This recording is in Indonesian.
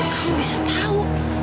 kamu bisa tahu